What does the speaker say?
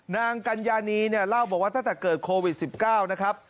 กัญญานีเนี่ยเล่าบอกว่าตั้งแต่เกิดโควิด๑๙นะครับ